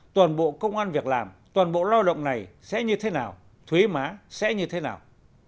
toàn bộ công an việc làm toàn bộ lao động này sẽ như thế nào thuế má sẽ như thế nào